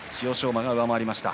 馬が上回りました。